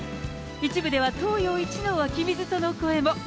一部では東洋一の湧き水との声も。